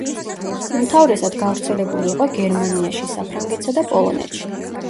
უმთავრესად გავრცელებული იყო გერმანიაში, საფრანგეთსა და პოლონეთში.